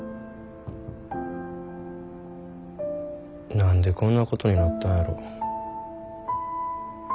何でこんなことになったんやろ。